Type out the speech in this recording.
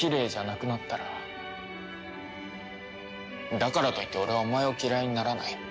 だからといって俺はお前を嫌いにならない。